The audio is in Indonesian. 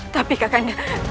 tapi kak kanda